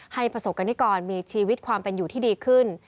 ประสบกรณิกรมีชีวิตความเป็นอยู่ที่ดีขึ้น